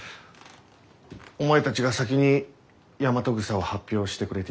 お前たちが先にヤマトグサを発表してくれていた。